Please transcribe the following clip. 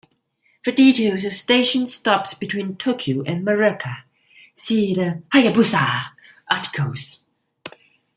For details of station stops between Tokyo and Morioka, see the "Hayabusa" articles.